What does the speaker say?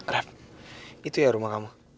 raff itu ya rumah kamu